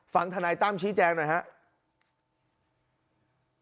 ทนายตั้มชี้แจงหน่อยครับ